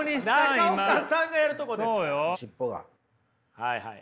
はいはい。